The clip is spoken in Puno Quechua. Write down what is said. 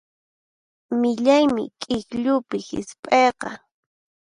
Millaymi k'ikllupi hisp'ayqa.